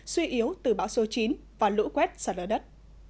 suy yếu từ bão số chín và lũ quét xa lỡ đất